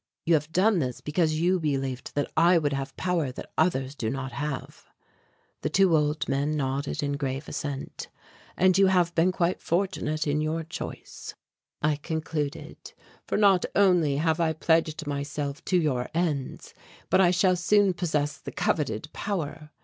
You have done this because you believed that I would have power that others do not have." The two old men nodded in grave assent. "And you have been quite fortunate in your choice," I concluded, "for not only have I pledged myself to your ends, but I shall soon possess the coveted power.